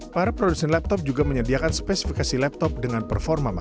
para produsen laptop juga menyediakan spesifikasi laptop dengan performa mata